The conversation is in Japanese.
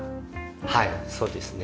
はいそうですね。